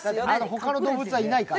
他の動物はいないから。